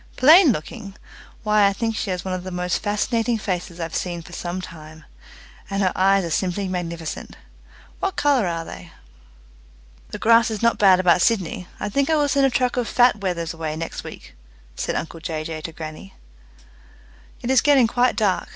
"Plain looking! Why, I think she has one of the most fascinating faces I've seen for some time, and her eyes are simply magnificent. What colour are they?" "The grass is not bad about Sydney. I think I will send a truck of fat wethers away next week," said uncle Jay Jay to grannie. "It is getting quite dark.